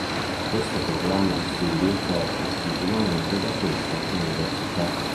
Questo programma di studi è offerto esclusivamente da questa università.